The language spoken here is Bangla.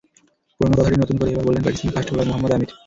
পুরোনো কথাটাই নতুন করে এবার বললেন পাকিস্তানের ফাস্ট বোলার মোহাম্মদ আমির।